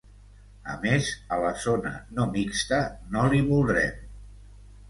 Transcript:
A més, a la zona no mixta no l'hi voldrem!